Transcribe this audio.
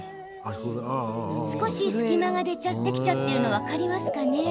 少し隙間ができちゃっているの分かりますかね？